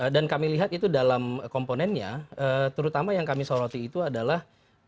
dan kami lihat itu dalam komponennya terutama yang kami soroti itu adalah